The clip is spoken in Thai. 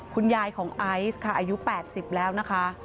คุณยายของไอซ์ค่ะอายุ๘๐แล้วนะคะ